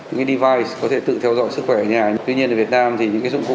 những device có thể tự theo dõi sức khỏe ở nhà tuy nhiên ở việt nam thì những dụng cụ